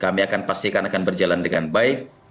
kami akan pastikan akan berjalan dengan baik